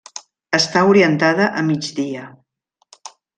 Està orientada a migdia.